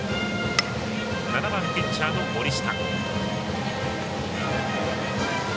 ７番、ピッチャーの森下。